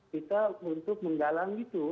kita untuk menggalang itu